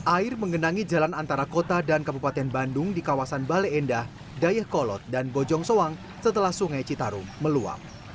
air mengenangi jalan antara kota dan kabupaten bandung di kawasan bale endah dayakolot dan bojong soang setelah sungai citarum meluap